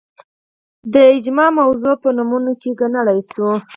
د اجماع موضوع په نمونو کې ګڼلای شو